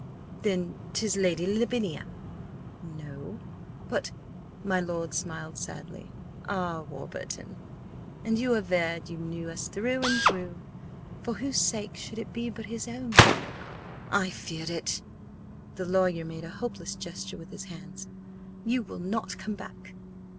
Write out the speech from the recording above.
"Then 'tis Lady Lavinia—" "No." "But—" My lord smiled sadly. "Ah, Warburton! And you averred you knew us through and through! For whose sake should it be but his own?" "I feared it!" The lawyer made a hopeless gesture with his hands. "You will not come back?"